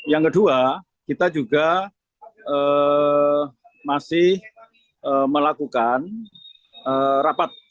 yang kedua kita juga masih melakukan rapat